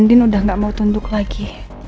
supaya acek datang lagi